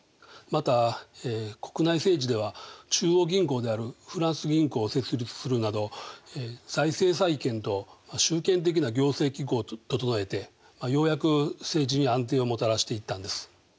また国内政治では中央銀行であるフランス銀行を設立するなど財政再建と集権的な行政機構を整えてようやく政治に安定をもたらしていったんです。